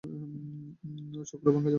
চক্র ভাঙা যাবে না?